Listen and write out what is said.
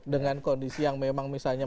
dengan kondisi yang memang misalnya